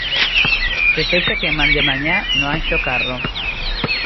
Que sexa quen mande mañá no Anxo Carro.